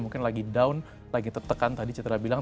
mungkin lagi down lagi tertekan tadi citra bilang